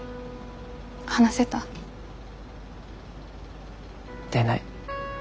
話せた？出ない。